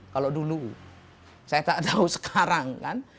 kalau dulu saya tak tahu sekarang kan